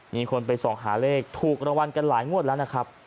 มีคนไปส่องหาเลขถูกรางวัลกันหลายงวดแล้วนะครับ